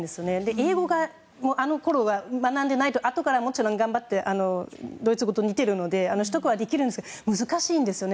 英語をあのころに学んでいないとあとからもちろん頑張ってドイツ語と似てるので習得はできるんですけど難しいんですよね。